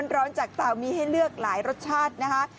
ร้อนจากเต่ามีให้เลือกหลายรสชาตินะคะ